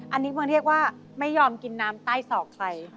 อันนี้มันเรียกว่าไม่ยอมกินน้ำใต้ศอกใคร